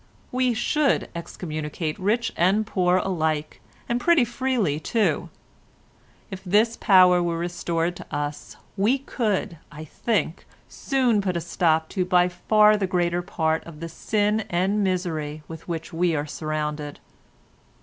We should excommunicate rich and poor alike, and pretty freely too. If this power were restored to us we could, I think, soon put a stop to by far the greater part of the sin and misery with which we are surrounded."